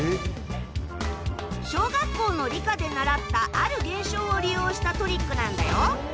小学校の理科で習ったある現象を利用したトリックなんだよ。